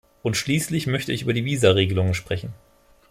Und schließlich möchte ich über die Visaregelungen sprechen.